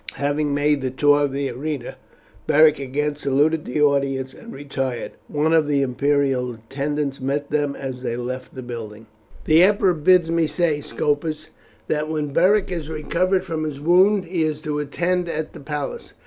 Having made the tour of the arena Beric again saluted the audience and retired. One of the imperial attendants met them as they left the building. "The emperor bids me say, Scopus, that when Beric is recovered from his wound he is to attend at the palace."